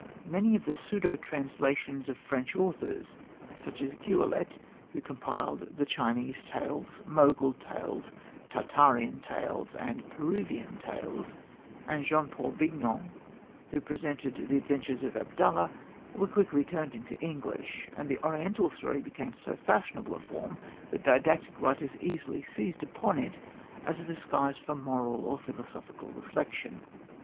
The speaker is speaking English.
Many of the pseudo translations of French authors, such as Gueulette, who compiled The Chinese Tales, Mogul Tales, Tartarian Tales, and Peruvian Tales, and Jean Paul Bignon, who presented The Adventures of Abdallah, were quickly turned into English; and the Oriental story became so fashionable a form that didactic writers eagerly seized upon it as a disguise for moral or philosophical reflection.